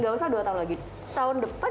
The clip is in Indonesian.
gak usah dua tahun lagi tahun depan